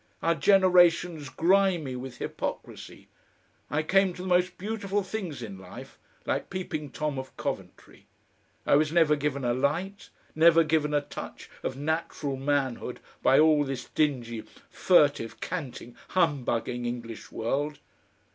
Our generation's grimy with hypocrisy. I came to the most beautiful things in life like peeping Tom of Coventry. I was never given a light, never given a touch of natural manhood by all this dingy, furtive, canting, humbugging English world.